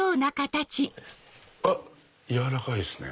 あっ軟らかいですね。